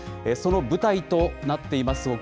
その舞台となっています